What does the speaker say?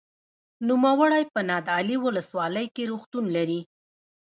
نوموړی په نادعلي ولسوالۍ کې روغتون لري.